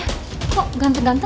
kok ganteng ganteng kayak gitu